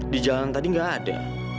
di jalan tadi nggak ada